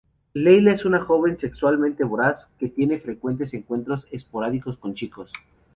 Leila es una joven sexualmente voraz, que tiene frecuentes encuentros esporádicos con chicos.